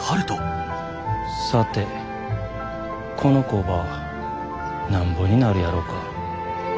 さてこの工場なんぼになるやろか。